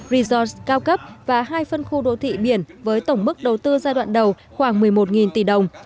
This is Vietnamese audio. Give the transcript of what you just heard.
resort cao cấp và hai phân khu đô thị biển với tổng mức đầu tư giai đoạn đầu khoảng một mươi một tỷ đồng